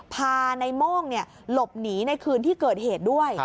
พาในโม่งหลบหนีในคืนที่เกิดเหตุด้วย